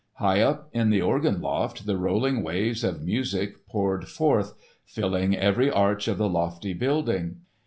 High up in the organ loft the rolling waves of music poured forth, filling every arch of the lofty building.